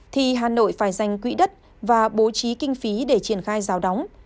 phải dành quỹ đất và bố trí kinh phí để triển khai rào đóng